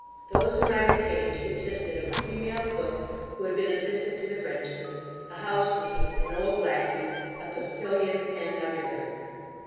Those whom I retained, consisted of the female cook, who had been assistant to the Frenchman, a house maid, an old lacquey, a postilion, and under gardener.